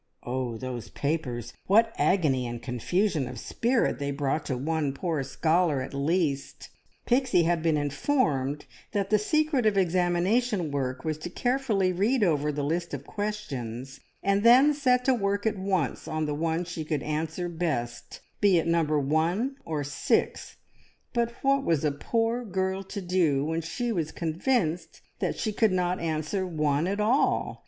Oh, those papers, what agony and confusion of spirit they brought to one poor scholar at least! Pixie had been informed that the secret of examination work was to carefully read over the list of questions, and then set to work at once on the one she could answer best, be it number one or six; but what was a poor girl to do when she was convinced that she could not answer one at all?